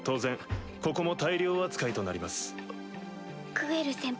グエル先輩